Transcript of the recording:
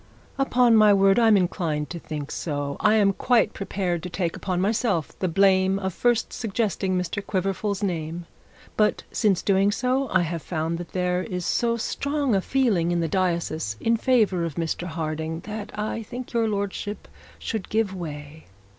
'Upon my word, I am inclined to think so. I am quite prepared to take upon myself the blame of first suggesting Mr Quiverful's name. But since doing so, I have found that there is so strong a feeling in the diocese in favour of Mr Harding, that I think your lordship should give way.